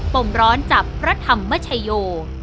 มร้อนจับพระธรรมชโย